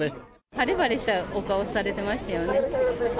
晴れ晴れしたお顔されてましたよね。